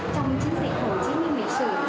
trong chiến dịch hồ chí minh lịch sử